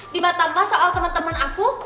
di mata mas soal teman teman aku